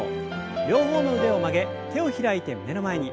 両方の腕を曲げ手を開いて胸の前に。